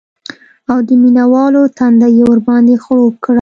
او د مینه والو تنده یې ورباندې خړوب کړه